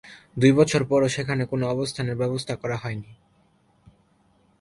দুই বছর পরও সেখানে কোন অবস্থানের ব্যবস্থা করা হয়নি।